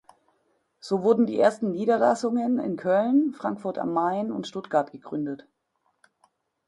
So wurden die ersten Niederlassungen in Köln, Frankfurt am Main und Stuttgart gegründet.